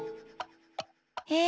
え。